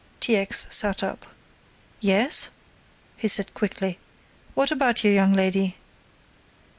T. X. sat up. "Yes?" he said quickly. "What about your young lady?"